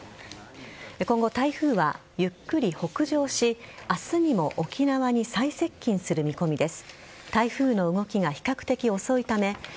今後、台風はゆっくり北上し明日にも沖縄に最接近する見込みです。